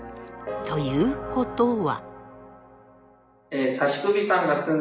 ということは？